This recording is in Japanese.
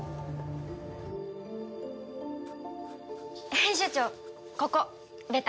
編集長ここベタ